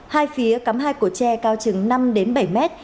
hai phía cắm hai cổ tre cao chứng năm đến bảy mét